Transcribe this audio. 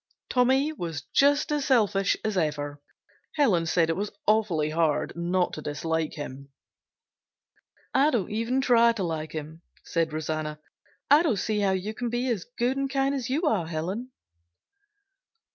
Tommy was just as selfish as ever. Helen said it was awfully hard not to dislike him. "I don't even try to like him," said Rosanna. "I don't see how you can be as good and kind as you are, Helen."